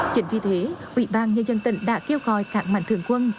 chính vì thế ubnd đã kêu gọi các mạng thường quân